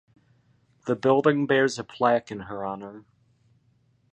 The building bears a plaque in her honour.